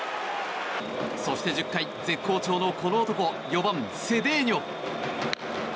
そして１０回、絶好調のこの男４番、セデーニョ。